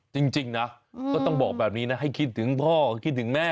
จริงนะก็ต้องบอกแบบนี้นะให้คิดถึงพ่อคิดถึงแม่